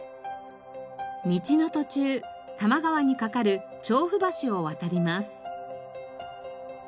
道の途中多摩川に架かる調布橋を渡ります。